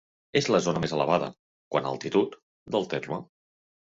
És la zona més elevada, quant a altitud, del terme.